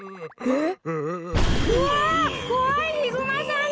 えっ？